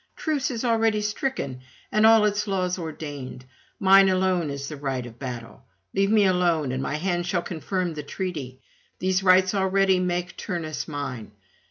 truce is already stricken, and all its laws ordained; mine alone is the right of battle. Leave me alone, and my hand shall confirm the treaty; these rites already make Turnus mine.'